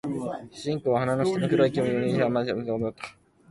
主人は鼻の下の黒い毛を撚りながら吾輩の顔をしばらく眺めておったが、